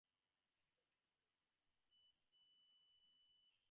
Two difficulties were experienced.